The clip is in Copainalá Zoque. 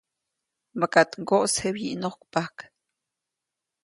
-Makaʼt ŋgoʼsje wyinojkpajk.-